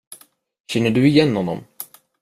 Känner du igen honom?